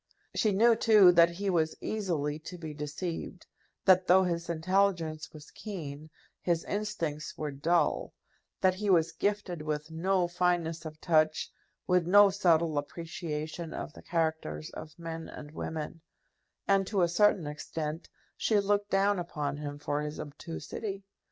She knew, too, that he was easily to be deceived, that though his intelligence was keen, his instincts were dull, that he was gifted with no fineness of touch, with no subtle appreciation of the characters of men and women; and, to a certain extent, she looked down upon him for his obtusity.